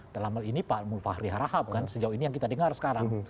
dalam hal ini pak mufahri harahap kan sejauh ini yang kita dengar sekarang